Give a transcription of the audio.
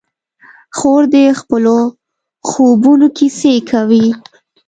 خور د خپلو خوبونو کیسې کوي.